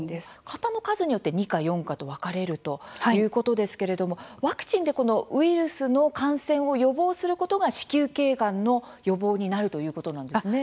型の数によって２価４価と分かれるということですけれどもワクチンでウイルスの感染を予防することが子宮頸がんの予防になるということなんですね。